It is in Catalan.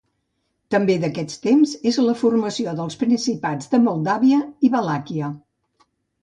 També d'aquest temps és la formació dels principats de Moldàvia i Valàquia.